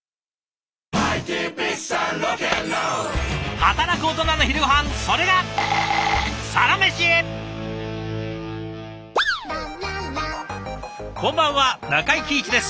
働くオトナの昼ごはんそれがこんばんは中井貴一です。